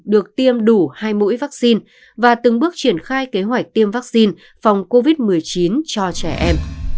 được tiêm đủ hai mũi vaccine và từng bước triển khai kế hoạch tiêm vaccine phòng covid một mươi chín cho trẻ em